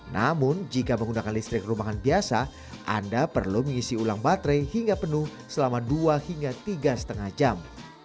namun jika menggunakan listrik rumahan biasa anda perlu mengisi ulang baterai hingga penuh selama dua hingga tiga lima jam